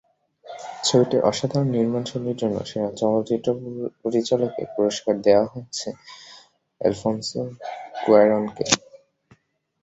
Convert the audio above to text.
ছবিটির অসাধারণ নির্মাণশৈলীর জন্য সেরা চলচ্চিত্র পরিচালকের পুরস্কার দেওয়া হয়েছে এলফনসো কুয়ারনকে।